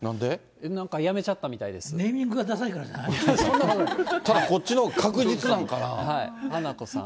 なんかやめちゃったみたいでネーミングがダサいからじゃただ、こっちのほうが確実なはなこさん。